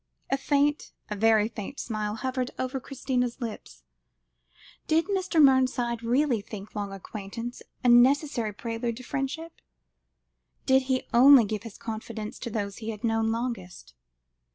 A faint, a very faint, smile hovered over Christina's lips. Did Mr. Mernside really think long acquaintance a necessary prelude to friendship? Did he only give his confidence to those he had known longest?